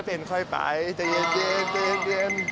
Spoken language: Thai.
เป็นค่อยไปใจเย็น